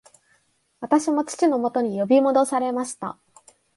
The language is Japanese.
私も父のもとに呼び戻されました